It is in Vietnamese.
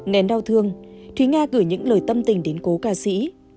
nén đau thương thúy nga gửi những lời tâm tình đến cố ca sĩ